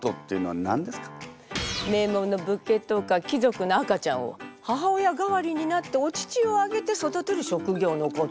名門の武家とか貴族の赤ちゃんを母親代わりになってお乳をあげて育てる職業のこと。